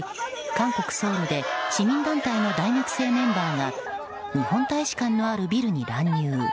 韓国ソウルで市民団体の大学生メンバーが日本大使館のあるビルに乱入。